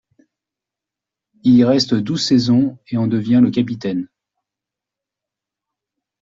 Il y reste douze saisons et en devient le capitaine.